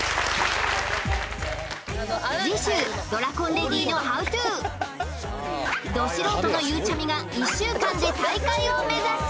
次週ドラコンレディのＨｏｗｔｏド素人のゆうちゃみが１週間で大会を目指す！